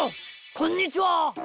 こんにちは！